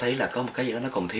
đó là một trận đấu lớn nhất cho tôi